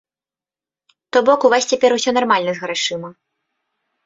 То бок, у вас цяпер усё нармальна з грашыма!